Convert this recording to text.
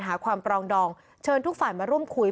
หาความปรองดองเชิญทุกฝ่ายมาร่วมคุย